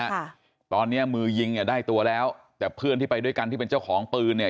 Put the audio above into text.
ค่ะตอนเนี้ยมือยิงเนี้ยได้ตัวแล้วแต่เพื่อนที่ไปด้วยกันที่เป็นเจ้าของปืนเนี่ย